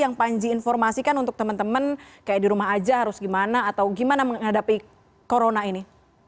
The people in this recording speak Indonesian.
yang panji informasikan untuk teman teman kayak di rumah aja harus gimana atau gimana menghadapi corona ini